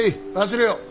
忘れよう。